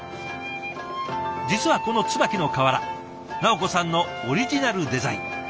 実はこのつばきの瓦直子さんのオリジナルデザイン。